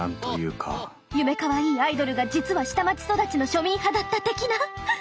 かわいいアイドルが実は下町育ちの庶民派だった的な。